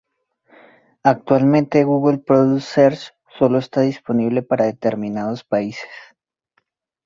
Actualmente Google Product Search sólo está disponible para determinados países.